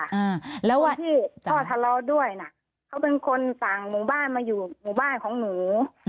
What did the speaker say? เพราะที่พ่อทะเลาด้วยนะเขาเป็นคนฝั่งหมู่บ้านมาอยู่หมู่บ้านของหนู